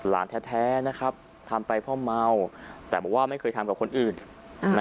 แท้นะครับทำไปเพราะเมาแต่บอกว่าไม่เคยทำกับคนอื่น